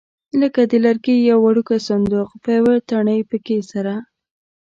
لکه د لرګي یو وړوکی صندوق په یوه تڼۍ پکې سره.